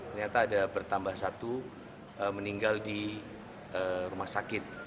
ternyata ada bertambah satu meninggal di rumah sakit